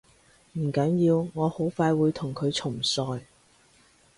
唔緊要，我好快會同佢重賽